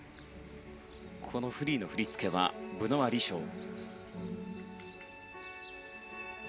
このフリーの振り付けはブノワ・リショー。